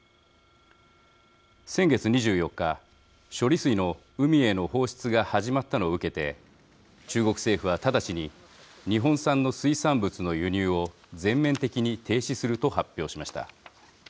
先月２４日、処理水の海への放出が始まったのを受けて中国政府は直ちに日本産の水産物の輸入を全面的に停止すると発表しました。